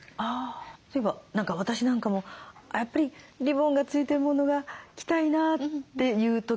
そういえば私なんかもやっぱりリボンが付いてるものが着たいなという時は？